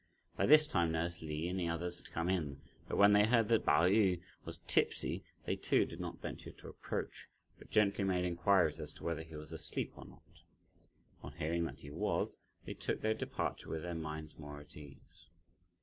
By this time nurse Li and the others had come in, but when they heard that Pao yü was tipsy, they too did not venture to approach, but gently made inquiries as to whether he was asleep or not. On hearing that he was, they took their departure with their minds more at ease.